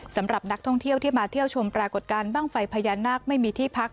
สำหรับนักท่องเที่ยวที่มาเที่ยวชมปรากฏการณ์บ้างไฟพญานาคไม่มีที่พัก